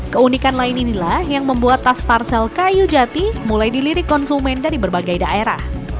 keunikan lain inilah yang membuat tas parsel kayu jati mulai dilirik konsumen dari berbagai daerah